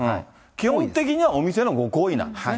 基本的にはお店のご厚意なんですね。